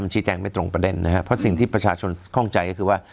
ชี้แจงไม่ตรงประเด็นนะครับเพราะสิ่งที่ประชาชนคล่องใจก็คือว่า